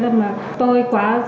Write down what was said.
do vậy do tôi quá hoảng sợ